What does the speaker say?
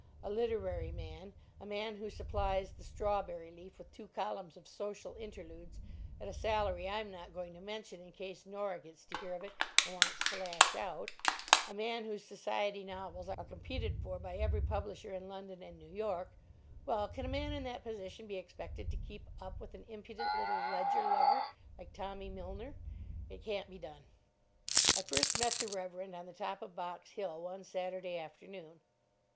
A literary man, a man who supplies the Strawberry Leaf with two columns of Social Interludes at a salary I'm not going to mention in case Norah gets to hear of it and wants to lash out, a man whose Society novels are competed for by every publisher in London and New York—well, can a man in that position be expected to keep up with an impudent little ledger lugger like Tommy Milner? It can't be done. I first met the Reverend on the top of Box Hill one Saturday afternoon.